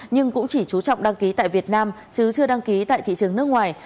nhưng cũng chỉ chú trọng đăng ký tại việt nam chứ chưa đăng ký tại thị trường nước ngoài